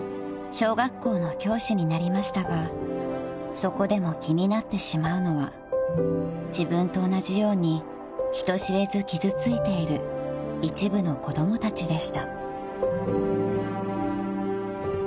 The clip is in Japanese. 小学校の教師になりましたがそこでも気になってしまうのは自分と同じように人知れず傷ついている一部の子供たちでした］